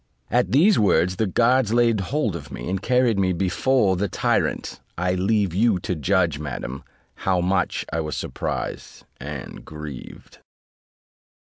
At these words the guards laid hold of me, and carried me before the tyrant: I leave you to judge, madam, how much I was surprised and grieved.